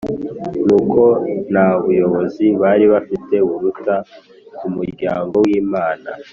nuko nta buyobozi bari bafite buturuka ku muryango w Imana